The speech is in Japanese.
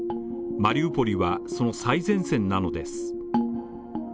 マリウポリはその最前線なのです。